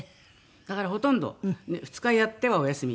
だからほとんど２日やってはお休み。